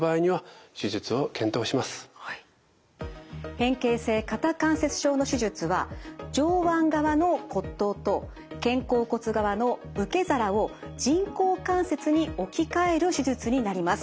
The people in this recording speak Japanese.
変形性肩関節症の手術は上腕側の骨頭と肩甲骨側の受け皿を人工関節に置き換える手術になります。